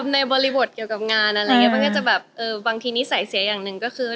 ในบริบทเกี่ยวกับงานอะไรอย่างนี้บางทีนิสัยเสียอย่างหนึ่งก็คือ